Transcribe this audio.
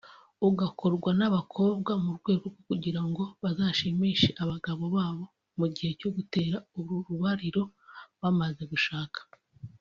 ugakorwa n’abakobwa mu rwego rwo kugira ngo bazashimishe abagabo babo mu gihe cyo gutera urubariro bamaze gushaka